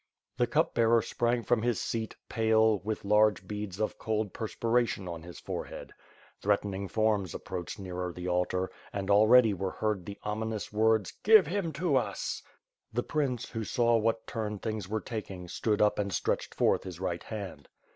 The Cup Bearer sprang from his seat, pale, with large beads of cold perspiration on his forehead. Threatening forms ap proached nearer the altar, and, already, were heard the omi nous words, "Give him to us!" The prince, who saw what turn things were taking, stood up and stretched forth his right hand.